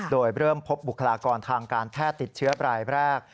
โดยเริ่มพบบุคลากรทางการแพทย์ติดเชื้อรายแรก